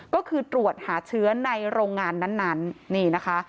ก็คือตรวจหาเชื้อในโรงงานนั้นนี่นะคะ